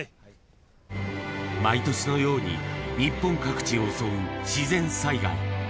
毎年のように日本各地を襲う自然災害。